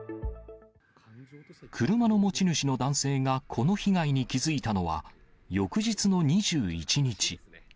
車の持ち主の男性がこの被害に気付いたのは、翌日の２１日。